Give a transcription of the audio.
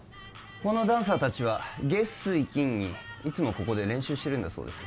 このダンサー達は月水金にいつもここで練習してるんだそうです